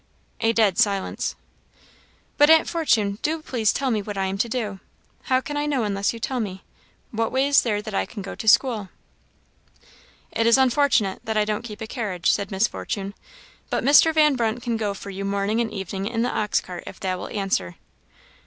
A dead silence. "But Aunt Fortune, do please tell me what I am to do. How can I know unless you tell me? What way is there that I can go to school?" "It is unfortunate that I don't keep a carriage," said Miss Fortune "but Mr. Van Brunt can go for you morning and evening in the ox cart, if that will answer."